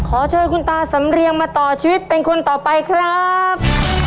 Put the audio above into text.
ขอเชิญคุณตาสำเรียงมาต่อชีวิตเป็นคนต่อไปครับ